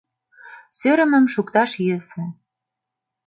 Сӧрымым шукташ йӧсӧ.